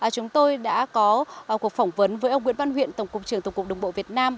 chúng tôi đã có cuộc phỏng vấn với ông nguyễn văn huyện tổng cục trưởng tổng cục đường bộ việt nam